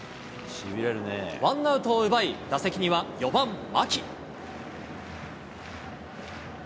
ワンアウトを奪い、打席には４番牧。